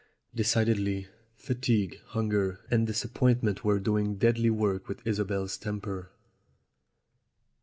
Decidedly, fatigue, hunger, and disappointment were doing deadly work with Isobel's temper.